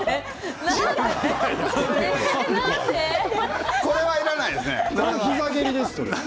手はいらないですね。